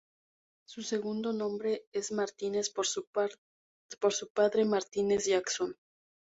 Su segundo nombre es Martínez por su padre, Martínez Jackson.